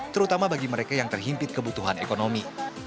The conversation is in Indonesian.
terutama bagi mereka yang terhimpit kebutuhan ekonomi